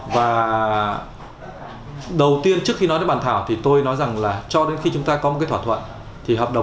và đầu tiên trước khi nói đến bàn thảo thì tôi nói rằng là cho đến khi chúng ta có một cái thỏa thuận